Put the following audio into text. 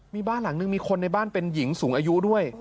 มีบ้านหลังนึงมีคนในบ้านเป็นหญิงสูงอายุด้วย